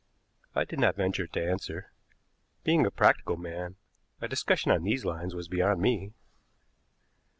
I did not venture to answer. Being a practical man, a discussion on these lines was beyond me.